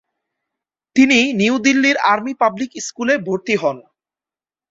তিনি নিউ দিল্লির army public স্কুলে ভর্তি হন।